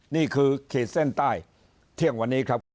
นี่คือขีดเส้นใต้เที่ยงวันนี้ครับ